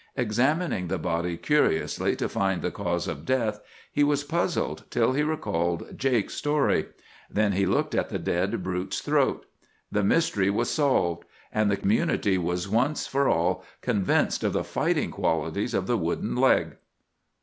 Examining the body curiously to find the cause of death, he was puzzled till he recalled Jake's story. Then he looked at the dead brute's throat. The mystery was solved; and the community was once for all convinced of the fighting qualities of the wooden leg."